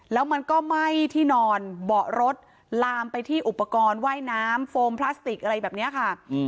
แล้วมันก็ไหม้ที่นอนเบาะรถลามไปที่อุปกรณ์ว่ายน้ำโฟมพลาสติกอะไรแบบนี้ค่ะ